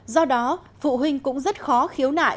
do đó phụ huynh cũng rất khó khiếu nại